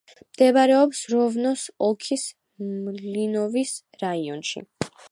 მდებარეობს როვნოს ოლქის მლინოვის რაიონში.